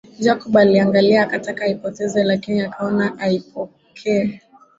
Jacob aliiangalia akataka aipotezee lakini akaona aipokee